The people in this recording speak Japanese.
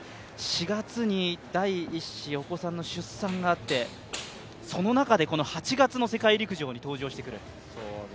４月に第１子、お子さんの出産があってその中で８月の世界陸上に登場してくる。